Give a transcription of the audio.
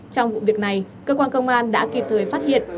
trong vụ việc này cơ quan công an đã kịp thời phát hiện